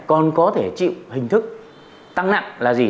còn có thể chịu hình thức tăng nặng là gì